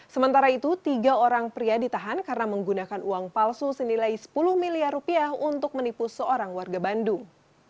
sementara itu tiga orang pria ditahan karena menggunakan uang palsu senilai sepuluh miliar rupiah untuk menipu seorang warga bandung